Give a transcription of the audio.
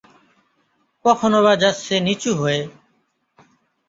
কখনোবা যাচ্ছে নিচু হয়ে।